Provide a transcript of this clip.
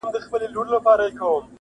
خدای درکړي دي غښتلي وزرونه؛